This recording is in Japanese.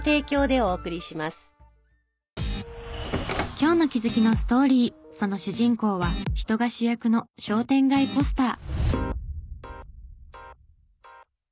今日の気づきのストーリーその主人公は人が主役の商店街ポスター。